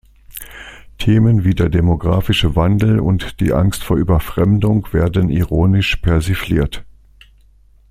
Themen wie der Demographische Wandel und die Angst vor Überfremdung werden ironisch persifliert.